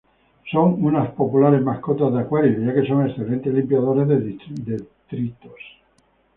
Son unas populares mascotas de acuario, ya que son excelentes limpiadores de detritos.